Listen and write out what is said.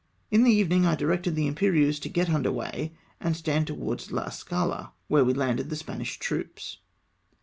In the evening I directed the Imperieuse to get under weigh and stand towards La Escala, where we landed the Spanish troops.